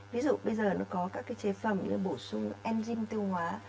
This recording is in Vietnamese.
ví dụ bây giờ nó có các chế phẩm như bổ sung enzyme tiêu hóa